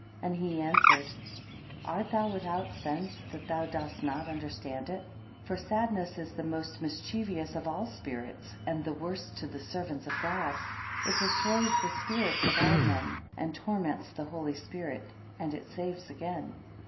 2 And he answered: Art thou without sense that thou dost not understand it? For sadness is the most mischievous of all spirits, and the worst to the servants of God: It destroys the spirits of all men, and torments the Holy Spirit, and it saves again.